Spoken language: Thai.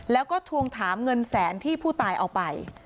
แล้วก็ทวงถามเงินแสนที่ผู้ตายเอาไป